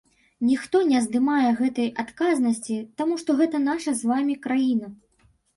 Ніхто не здымае гэтай адказнасці, таму што гэта наша з вамі краіна.